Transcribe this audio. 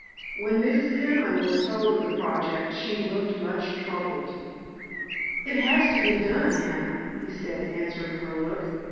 When Mrs. Peniman was told of the project she looked much troubled. "It has to be done, Hannah," he said, answering her look.